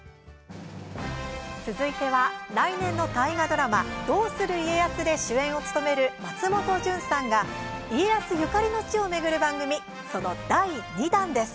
続いては、来年の大河ドラマ「どうする家康」で主演を務める松本潤さんが家康ゆかりの地を巡る番組その第２弾です。